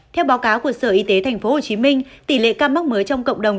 theo báo cáo của sở y tế tp hcm tỷ lệ ca mắc mới trong cộng đồng